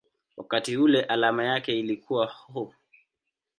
wakati ule alama yake ilikuwa µµ.